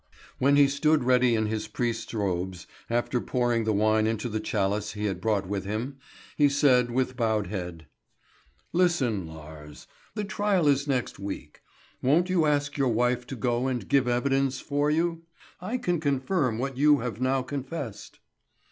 When he stood ready in his priest's robes, after pouring the wine into the chalice he had brought with him, he said with bowed head: "Listen, Lars. The trial is next week. Won't you ask your wife to go and give evidence for you? I can confirm what you have now confessed?"